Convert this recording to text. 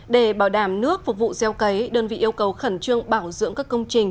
để bảo đảm nước phục vụ gieo cấy đơn vị yêu cầu khẩn trương bảo dưỡng các công trình